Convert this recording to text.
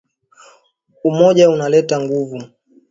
Umoja unaleta nguvu